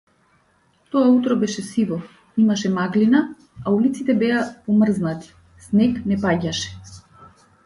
Тоа утро беше сиво, имаше маглина, а улиците беа помрзнати, снег не паѓаше.